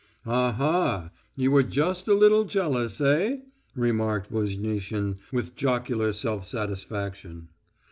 "Ah ha! You were just a little jealous, eh?" remarked Voznitsin with jocular self satisfaction.